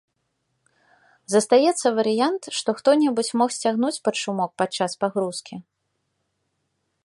Застаецца варыянт, што хто-небудзь мог сцягнуць пад шумок падчас пагрузкі.